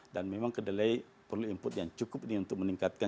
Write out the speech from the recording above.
dan memang kedelai perlu input yang cukup ini untuk meningkatkan